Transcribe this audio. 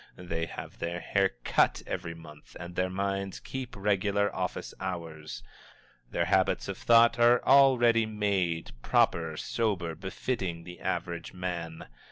They have their hair cut every month and their minds keep regular office hours. Their habits of thought are all ready made, proper, sober, befitting the Average Man.